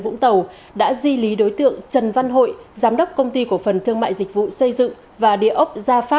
vũng tàu đã di lý đối tượng trần văn hội giám đốc công ty cổ phần thương mại dịch vụ xây dựng và